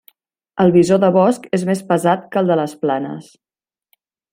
El bisó de bosc és més pesat que el de les planes.